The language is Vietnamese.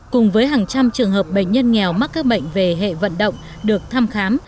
cùng với hàng trăm trường hợp bệnh nhân nghèo mắc các bệnh về hệ vận động được thăm khám